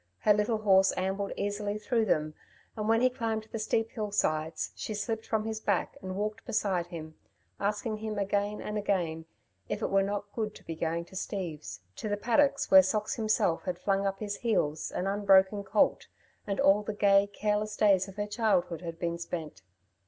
Her little horse ambled easily through them, and when he climbed the steep hill sides, she slipped from his back and walked beside him, asking him again and again, if it were not good to be going to Steve's, to the paddocks where Socks himself had flung up his heels an unbroken colt, and all the gay, careless days of her childhood had been spent.